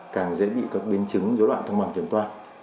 càng dễ bị các biến chứng dối loạn thăng bằng kiểm toán